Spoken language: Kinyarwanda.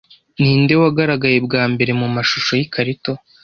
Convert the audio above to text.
Ninde wagaragaye bwa mbere mumashusho yikarito